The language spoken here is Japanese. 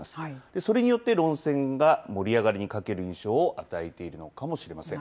それによって論戦が盛り上がりに欠ける印象を与えているのかもしれません。